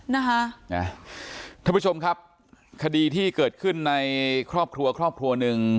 นะฮะท่านผู้ชมครับคดีที่เกิดขึ้นในครอบครัวครอบครัวหนึ่ง